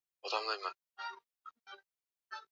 ya katika asilimia ya mapato ambayo inapatikana